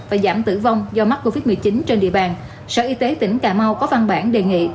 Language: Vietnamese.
và giảm tử vong do mắc covid một mươi chín trên địa bàn sở y tế tỉnh cà mau có văn bản đề nghị